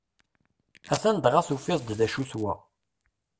Atan dɣa tufiḍ-d acu-t wa!